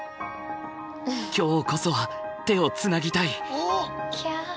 今日こそは手をつなぎたい！